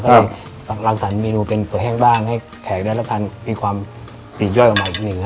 ลักษณะอารมณ์เป็นเฝอแห้งบ้างให้แขกแทรกละกันน่าจะมีความพรีย้อยออกมาอีกนึงครับ